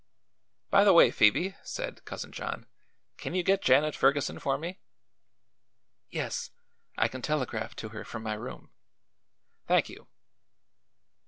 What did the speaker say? "By the way, Phoebe," said Cousin John, "can you get Janet Ferguson for me?" "Yes; I can telegraph to her from my room." "Thank you."